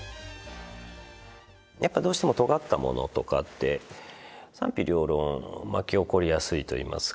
やっぱどうしてもトガったものとかって賛否両論巻き起こりやすいといいますか。